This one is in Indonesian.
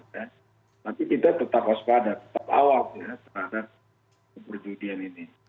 tapi kita tetap waspada tetap awal ya terhadap keperjudian ini